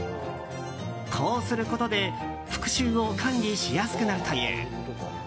こうすることで復習を管理しやすくなるという。